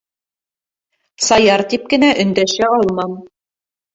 Саяр тип кенә өндәшә алмам!